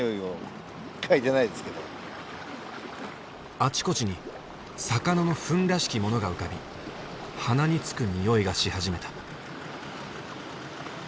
あちこちに魚の糞らしきものが浮かび鼻につく臭いがし始めた。